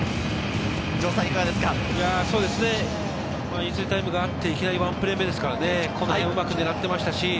飲水タイムがあって、いきなりワンプレー目ですからね、うまく狙っていましたし。